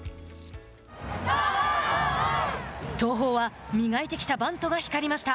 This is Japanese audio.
東邦は磨いてきたバントが光りました。